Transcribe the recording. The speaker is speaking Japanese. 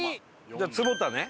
じゃあ坪田ね。